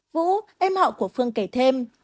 vũ em họ của phương kể thêm